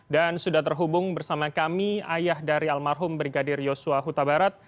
dan sudah terhubung bersama kami ayah dari almarhum brigadir yosua huta barat